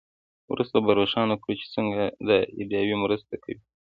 وروسته به روښانه کړو چې څنګه دا ایډیاوې مرسته کوي.